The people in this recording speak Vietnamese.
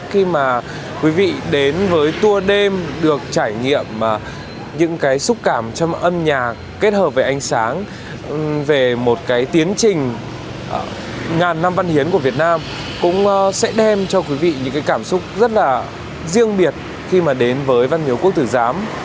khi mà quý vị đến với tour đêm được trải nghiệm những cái xúc cảm trong âm nhạc kết hợp với ánh sáng về một cái tiến trình ngàn năm văn hiến của việt nam cũng sẽ đem cho quý vị những cái cảm xúc rất là riêng biệt khi mà đến với văn miếu quốc tử giám